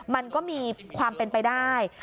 มันก็มีความเป็นไปได้